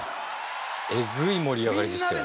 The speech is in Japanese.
えぐい盛り上がりでしたよ。